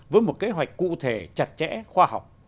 với một kế hoạch cụ thể chặt chẽ khoa học